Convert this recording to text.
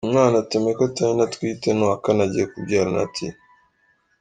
Uyu mwana Tameka Tiny atwite ni uwa kane agiye kubyara na T.